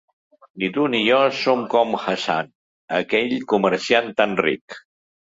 Ni tu ni jo som com Hassan, aquell comerciant tan ric.